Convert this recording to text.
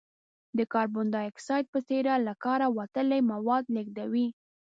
د کاربن ډای اکساید په څېر له کاره وتلي مواد لیږدوي.